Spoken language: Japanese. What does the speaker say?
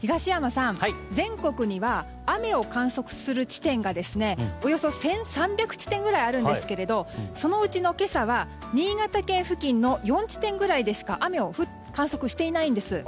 東山さん、全国には雨を観測する地点がおよそ１３００地点くらいあるんですけれどそのうちの今朝は新潟県付近の４地点くらいでしか雨を観測していないんです。